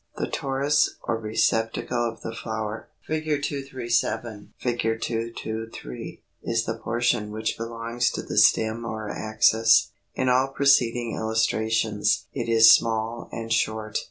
=The Torus= or Receptacle of the flower (237, Fig. 223) is the portion which belongs to the stem or axis. In all preceding illustrations it is small and short.